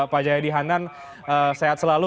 pak jaya d hanan sehat selalu